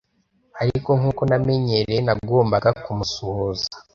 ariko nkuko namenyereye nagombaga kumusuhuza